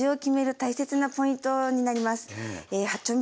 大切なポイントになります。